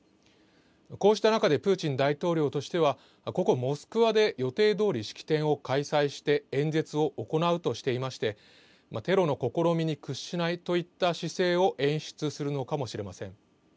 こうした中でプーチン大統領としては、ここ、モスクワで予定どおり式典を開催して演説を行うとしていまして、テロの試みに屈しないといった姿勢を演出するのかもしれません。